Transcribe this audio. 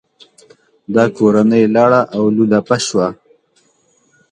دا کورنۍ لاړه او لولپه شوه.